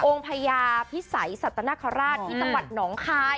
องค์พระยาพิสัยสัตนคราชที่ตะวัดหนองคาย